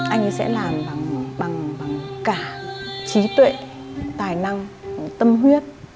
anh ấy sẽ làm bằng cả trí tuệ tài năng tâm huyết